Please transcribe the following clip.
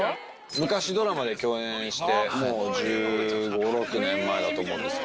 昔ドラマで共演してもう１５６年前だと思うんですけど。